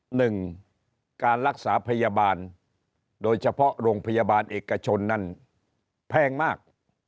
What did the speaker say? หนึ่งการรักษาพยาบาลโดยเฉพาะโรงพยาบาลเอกชนนั้นแพงมาก